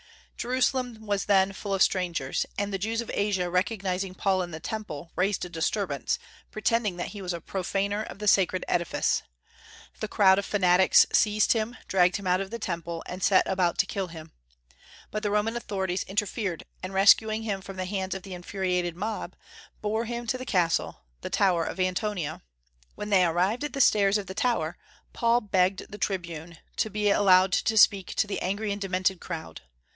Jerusalem was then full of strangers, and the Jews of Asia recognizing Paul in the Temple, raised a disturbance, pretending that he was a profaner of the sacred edifice. The crowd of fanatics seized him, dragged him out of the Temple, and set about to kill him. But the Roman authorities interfered, and rescuing him from the hands of the infuriated mob, bore him to the castle, the tower of Antonia. When they arrived at the stairs of the tower, Paul begged the tribune to be allowed to speak to the angry and demented crowd.